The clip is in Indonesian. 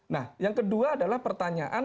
nah yang kedua adalah pertanyaan